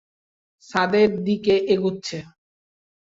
ছাদের দিকে এগুচ্ছে।